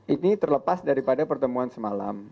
ini terlepas daripada pertemuan semalam